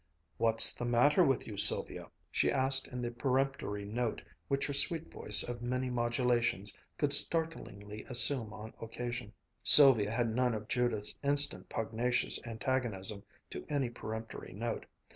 "What's the matter with you, Sylvia?" she asked in the peremptory note which her sweet voice of many modulations could startlingly assume on occasion. Sylvia had none of Judith's instant pugnacious antagonism to any peremptory note.